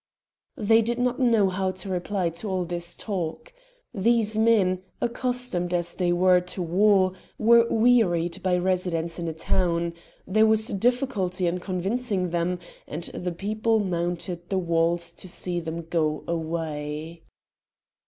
They did not know how to reply to all this talk. These men, accustomed as they were to war, were wearied by residence in a town; there was difficulty in convincing them, and the people mounted the walls to see them go away.